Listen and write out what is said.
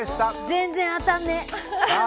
全然当たんねえ。